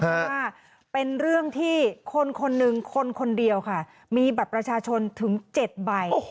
เพราะว่าเป็นเรื่องที่คนคนหนึ่งคนคนเดียวค่ะมีบัตรประชาชนถึง๗ใบ